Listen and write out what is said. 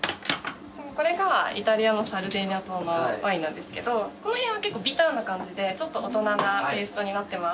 これがイタリアのサルデーニャ島のワインなんですけどこの辺は結構ビターな感じでちょっと大人なテイストになってます。